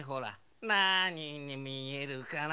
なににみえるかな？